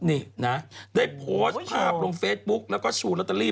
นี่นะได้โพสต์ภาพลงเฟซบุ๊กแล้วก็ชูลอตเตอรี่